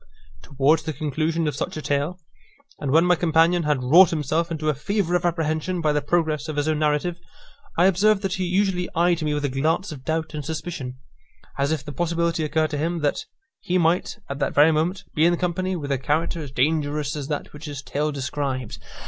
Towards the conclusion of such a tale, and when my companion had wrought himself into a fever of apprehension by the progress of his own narrative, I observed that he usually eyed me with a glance of doubt and suspicion, as if the possibility occurred to him, that he might, at that very moment, be in company with a character as dangerous as that which his tale described.